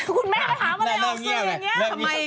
คุณแม่ถามอะไรออกสื่ออย่างนี้